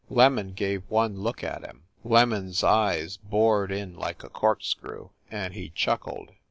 "Lemon" gave one look at him "Lemon s" eyes bored in like a corkscrew and he chuckled.